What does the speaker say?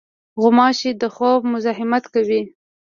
غوماشې د خوب مزاحمت کوي.